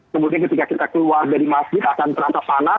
kemudian ketika kita keluar dari masjid akan terasa panas